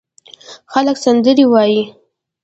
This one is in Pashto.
هلک سندرې وايي